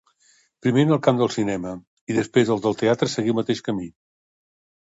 Primer, en el camp del cinema; i després el del teatre seguí el mateix camí.